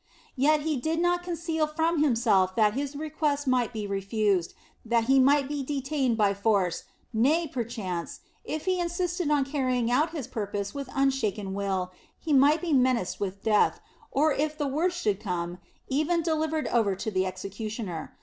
Yet he did not conceal from himself that his request might be refused, that he might be detained by force, nay, perchance, if he insisted on carrying out his purpose with unshaken will, he might be menaced with death, or if the worst should come, even delivered over to the executioner.